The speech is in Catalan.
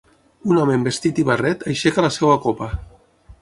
Un home amb vestit i barret aixeca la seva copa.